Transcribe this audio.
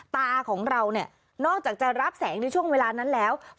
ตาของเราเนี่ยนอกจากจะรับแสงในช่วงเวลานั้นแล้ว